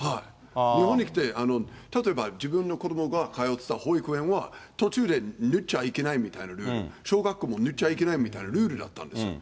日本に来て、例えば、自分の子どもが通ってた保育園は、途中で塗っちゃいけないみたいなルール、小学校も塗っちゃいけないみたいなルールになってたんですよ。